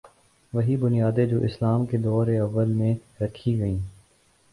وہی بنیادیں جو اسلام کے دور اوّل میں رکھی گئیں۔